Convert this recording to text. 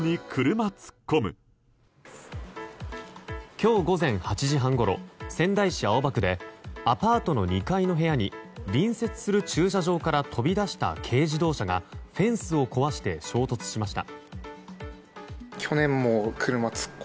今日午前８時半ごろ仙台市青葉区でアパートの２階の部屋に隣接する駐車場から飛び出した軽自動車がフェンスを壊して衝突しました。